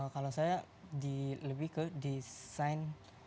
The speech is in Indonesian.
kalau saya lebih ke desain